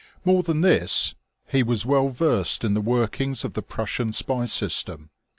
More than this, he was well versed in the workings of the Prussian spy system.